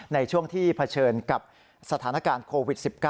ในช่วงที่เผชิญกับสถานการณ์โควิด๑๙